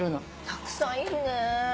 たくさんいるね。